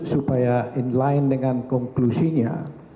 supaya in line dengan konklusinya